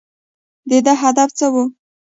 د ده هدف څه و ؟